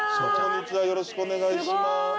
よろしくお願いします。